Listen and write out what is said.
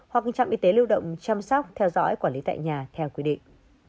hoặc trạm y tế lưu động chăm sóc theo dõi quản lý tại nhà theo quy định